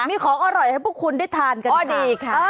มีของอร่อยให้พวกคุณได้ทานกันก็ดีค่ะ